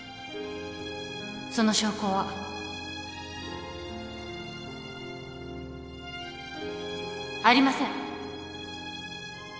その証拠は。ありません。